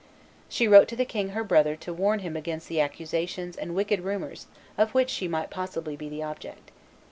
She wrote to the king her brother to warn him against the accusations and wicked rumors of which she might possibly be the object.